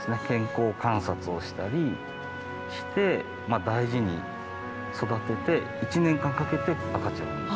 健康観察をしたりして大事に育てて１年間かけて赤ちゃんを。